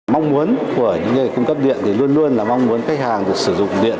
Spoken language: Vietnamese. mong muốn của những người cung cấp điện thì luôn luôn là mong muốn khách hàng được sử dụng điện